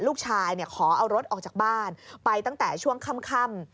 ลูกชายขอเอารถออกจากบ้านไปตั้งแต่ช่วงค่ำ